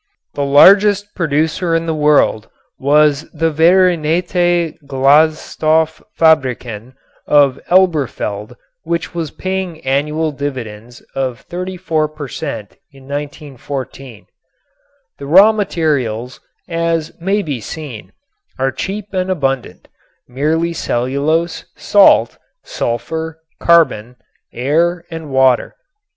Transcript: The largest producer in the world was the Vereinigte Glanzstoff Fabriken of Elberfeld, which was paying annual dividends of 34 per cent. in 1914. The raw materials, as may be seen, are cheap and abundant, merely cellulose, salt, sulfur, carbon, air and water.